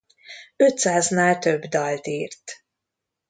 Ötszáznál több dalt írt.